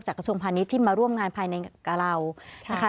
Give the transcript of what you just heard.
กระทรวงพาณิชย์ที่มาร่วมงานภายในกับเรานะคะ